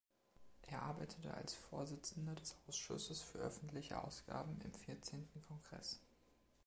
Er arbeitete als Vorsitzender des Ausschusses für öffentliche Ausgaben im Vierzehnten Kongress.